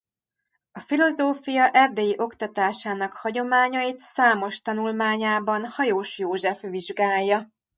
A filozófia erdélyi oktatásának hagyományait számos tanulmányában Hajós József vizsgálja.